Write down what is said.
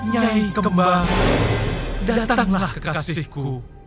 jaih kembang datanglah kekasihku